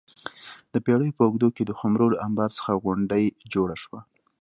د پېړیو په اوږدو کې د خُمرو له انبار څخه غونډۍ جوړه شوه